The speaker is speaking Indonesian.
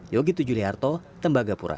yogi tujuli harto tembagapura